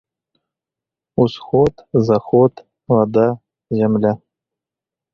Усход, заход, вада, зямля.